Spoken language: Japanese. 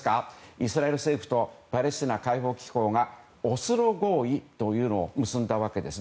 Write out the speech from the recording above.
イスラエル政府とパレスチナ解放機構がオスロ合意というのを結んだわけです。